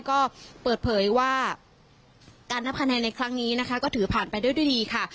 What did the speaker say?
ก็เปิดเผยว่าการนับคะแนนในครั้งนี้นะคะก็ถือผ่านไปด้วยดีค่ะ